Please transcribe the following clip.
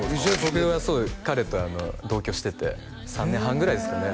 僕はそう彼と同居してて３年半ぐらいですかね